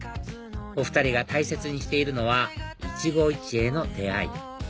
お２人が大切にしているのは一期一会の出会い